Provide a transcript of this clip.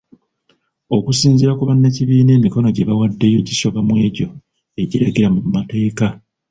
Okusinziira ku bannakibiina emikono gye bawaddeyo gisoba mu egyo egiragira mu mateeka